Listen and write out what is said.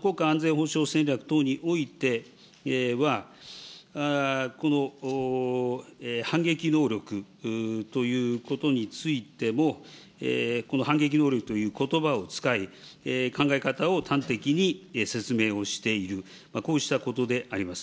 国家安全保障戦略等においては、この反撃能力ということについても、この反撃能力ということばを使い、考え方を端的に説明をしている、こうしたことであります。